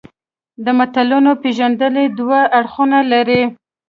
د متلونو پېژندنه دوه اړخونه لري